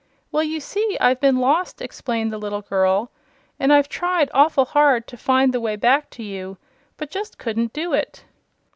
"Well, you see, I've been lost," explained the little girl, "and I've tried awful hard to find the way back to you, but just couldn't do it."